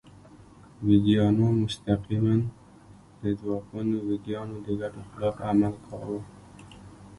ویګیانو مستقیماً د ځواکمنو ویګیانو د ګټو خلاف عمل کاوه.